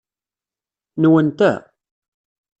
Nwen ta?